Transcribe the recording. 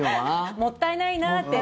もったいないなってね。